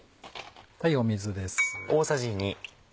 水です。